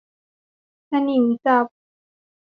สนิมจับ